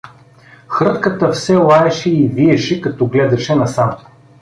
Хрътката все лаеше и виеше, като гледаше насам.